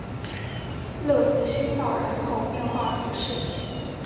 勒福新堡人口变化图示